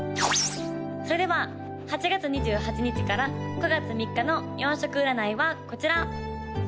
・それでは８月２８日から９月３日の４色占いはこちら！